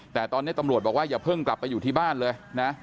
แต่ตอนนี้ตำรวจบอกว่าอย่าเพิ่งกลับไปอยู่ที่บ้านเลยนะ